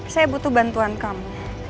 saya butuh bantuan kau